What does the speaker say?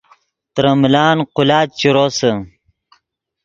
ترے ملان قولاچ چے روسے